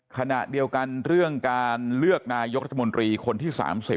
ขณะเดียวกันเรื่องการเลือกนายกรัฐมนตรีคนที่๓๐